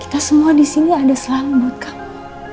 kita semua disini ada selalu buat kamu